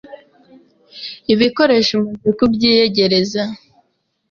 Ibikoresho umaze kubyiyegereza,